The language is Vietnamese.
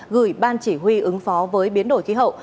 gửi ban chỉ huy ứng phó với biến đổi khí hậu